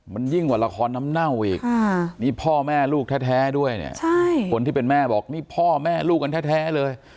มันยิ่งกว่าละครน้ำเน่าอีกนี่พ่อแม่ลูกแท้ด้วยเนี่ยคนที่เป็นแม่บอกนี่พ่อแม่ลูกกันแท้เลย